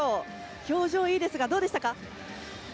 表情いいですが、どうですか？